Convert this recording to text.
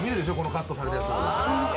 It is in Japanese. カットされたやつ。